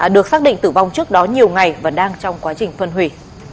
được xác định tử vong trước đó nhiều ngày và đang trong quá trình phân hủy